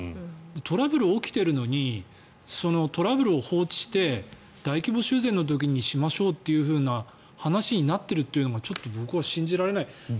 トラブルが起きているのにそのトラブルを放置して大規模修繕の時にしましょうというふうな話になっているというのがちょっと僕は信じられない。